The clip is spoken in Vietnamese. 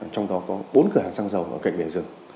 trong đó có bốn cửa hàng xăng dầu ở cạnh bề rừng